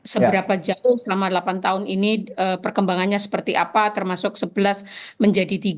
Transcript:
seberapa jauh selama delapan tahun ini perkembangannya seperti apa termasuk sebelas menjadi tiga